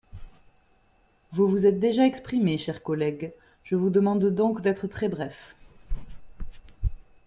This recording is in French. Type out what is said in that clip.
Vous vous êtes déjà exprimé, cher collègue ; je vous demande donc d’être très bref.